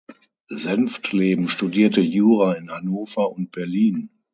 Senftleben studierte Jura in Hannover und Berlin.